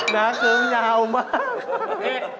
นักฮึงยาวมาก